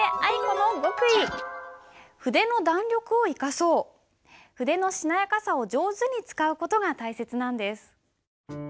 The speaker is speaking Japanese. ここで筆のしなやかさを上手に使う事が大切なんです。